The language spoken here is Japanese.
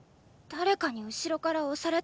誰かに後ろから押されたの！